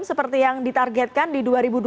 seperti yang ditargetkan di dua ribu tiga puluh lima